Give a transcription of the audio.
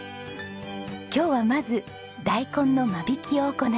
今日はまず大根の間引きを行います。